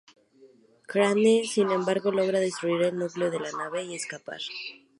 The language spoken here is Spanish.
Crane sin embargo logra destruir el núcleo de la nave y escapar.